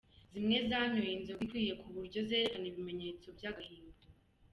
Zimwe zanyoye inzoga ikwiye ku buryo zerekana ibimenyetso vy'agahimbo.